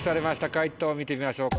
解答見てみましょう。